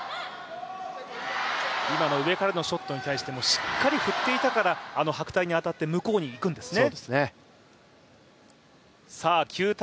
今の上からのショットに対しても、しっかり振っていたからあの白帯に当たって向こうに行くんですね。